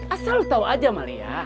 asal lu tahu aja amalia